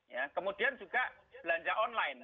ya kemudian juga belanja online